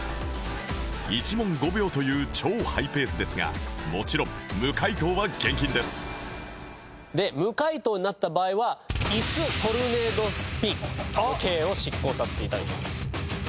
１問５秒という超ハイペースですがもちろん無回答は厳禁ですで無回答になった場合はイストルネードスピンの刑を執行させて頂きます。